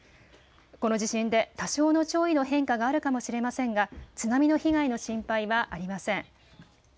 この地震で多少の潮位の変化があるかもしれませんが津波の被害の心配はありません。